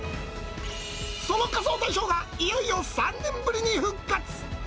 その仮装大賞が、いよいよ３年ぶりに復活。